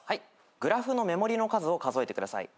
グラフの目盛りの数を数えてください。